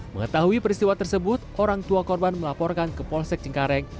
mengetahui peristiwa tersebut orang tua korban melaporkan ke polsek cengkareng